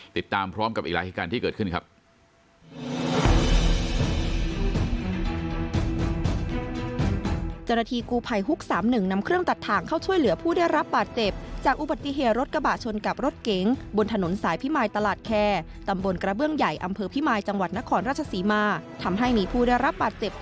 ติดตามพร้อมกับอีกรายการที่เกิดขึ้นครับ